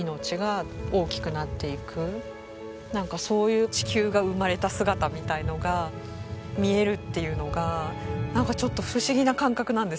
なんかそういう地球が生まれた姿みたいのが見えるっていうのがちょっと不思議な感覚なんですよね。